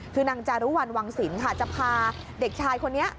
คือนางจารุวัลวังศิลป์ค่ะจะพาเด็กชายคนนี้